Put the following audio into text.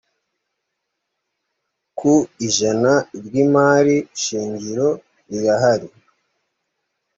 ku ijana ry imari shingiro rirahari